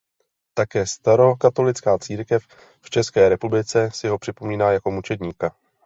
Také Starokatolická církev v České republice si ho připomíná jako mučedníka.